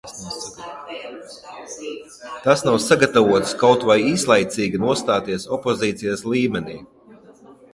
Tas nav sagatavots kaut vai īslaicīgi nostāties opozīcijas līmenī.